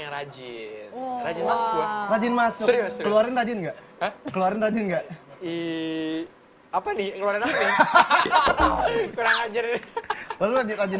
yang rajin rajin masuk rajin masuk rajin enggak eh apa nih